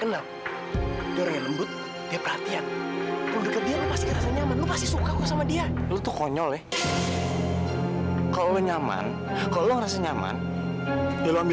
lu lebih gak pantas lagi